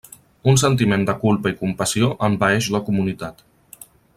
Un sentiment de culpa i compassió envaeix la comunitat.